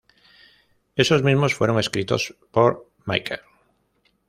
Esos mismos fueron escritos por Michel.